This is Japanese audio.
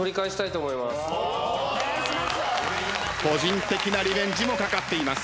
個人的なリベンジもかかっています。